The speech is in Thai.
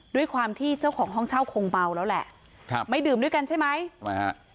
ด้วยความที่เจ้าของห้องเช่าคงเมาแล้วแหละครับไม่ดื่มด้วยกันใช่ไหมทำไมฮะ